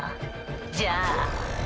じゃあ。